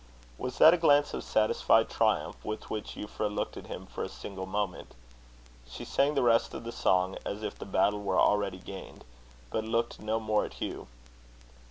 Was that a glance of satisfied triumph with which Euphra looked at him for a single moment? She sang the rest of the song as if the battle were already gained; but looked no more at Hugh.